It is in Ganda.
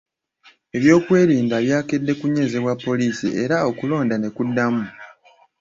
Ebyokwerinda byakedde kunywezebwa poliisi era okulonda ne kuddamu.